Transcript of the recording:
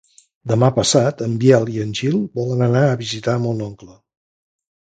Demà passat en Biel i en Gil volen anar a visitar mon oncle.